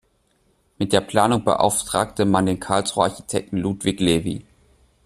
Mit der Planung beauftragte man den Karlsruher Architekten Ludwig Levy.